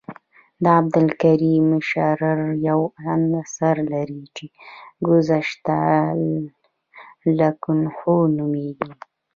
عبدالکریم شرر یو اثر لري چې ګذشته لکنهو نومیږي.